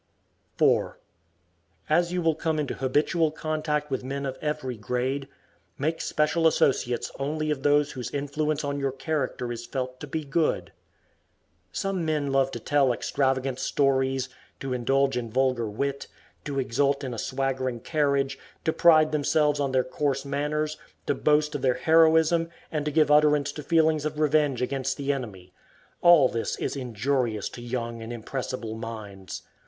4. As you will come into habitual contact with men of every grade, make special associates only of those whose influence on your character is felt to be good. Some men love to tell extravagant stories, to indulge in vulgar wit, to exult in a swaggering carriage, to pride themselves on their coarse manners, to boast of their heroism, and to give utterance to feelings of revenge against the enemy. All this is injurious to young and impressible minds.